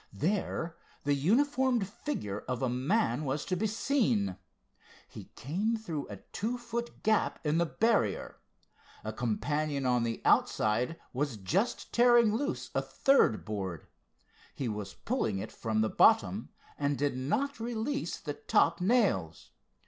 There the uniformed figure of a man was to be seen. He came through a two foot gap in the barrier. A companion on the outside was just tearing loose a third board. He was pulling it from the bottom, and did not release the top nails.